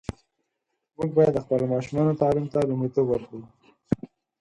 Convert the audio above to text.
موږ باید د خپلو ماشومانو تعلیم ته لومړیتوب ورکړو.